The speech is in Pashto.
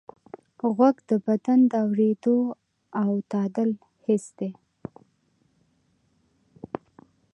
غوږ د بدن د اورېدو او تعادل حس دی.